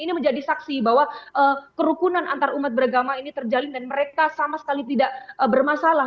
ini menjadi saksi bahwa kerukunan antarumat beragama ini terjalin dan mereka sama sekali tidak bermasalah